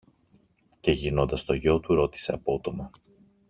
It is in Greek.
Και γυρνώντας στο γιο του ρώτησε απότομα